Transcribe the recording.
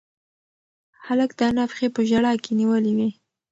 هلک د انا پښې په ژړا کې نیولې وې.